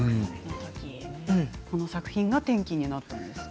この作品が転機になったんですか。